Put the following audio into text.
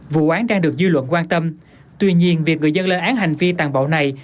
vụ án đang được dư luận quan tâm tuy nhiên việc người dân lên án hành vi tàn bạo này